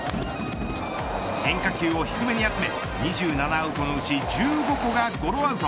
変化球を低めに集め２７アウトのうち１５個がゴロアウト。